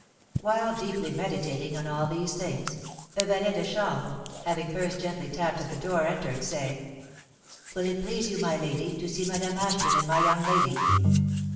While deeply meditating on all these things, a valet de chambre, having first gently tapped at the door, entered, saying: "Will it please you, my lady, to see Madame Ashton and my young lady?"